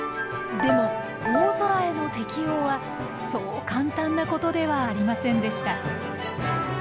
でも大空への適応はそう簡単なことではありませんでした。